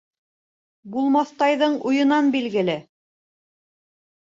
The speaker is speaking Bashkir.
Булмаҫтайҙың уйынан билгеле.